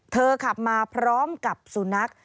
เธอขับมาพร้อมกับซูนัก